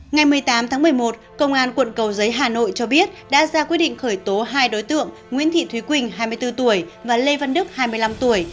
ngày một mươi tám tháng một mươi một công an quận cầu giấy hà nội cho biết đã ra quyết định khởi tố hai đối tượng nguyễn thị thúy quỳnh hai mươi bốn tuổi và lê văn đức hai mươi năm tuổi